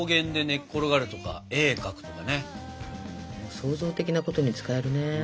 創造的なことに使えるね。